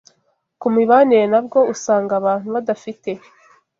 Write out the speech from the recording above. Ku mibanire nabwo usanga abantu badafite